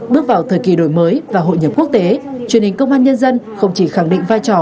bước vào thời kỳ đổi mới và hội nhập quốc tế truyền hình công an nhân dân không chỉ khẳng định vai trò